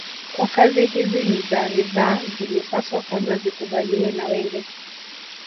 Kwa kazi hizi ni za ridhaa zilipaswa kwanza zikubaliwe na wengi